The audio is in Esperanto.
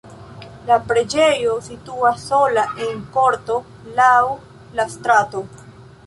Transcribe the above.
La preĝejo situas sola en korto laŭ la strato.